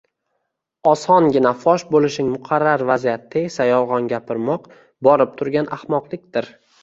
Osongina fosh bo‘lishing muqarrar vaziyatda esa yolg‘on gapirmoq —borib turgan ahmoqlikdir!